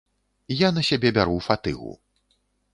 Я на сябе бяру фатыгу.